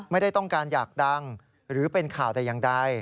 ไม่ได้ต้องการอยากดังหรือเป็นข่าวแต่อย่างใด